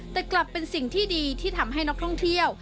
แต่กลับเป็นสิ่งที่ดีที่ทำให้นักท่องเที่ยว